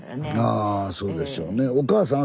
あそうでしょうね。